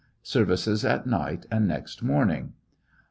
Services at night and next morning.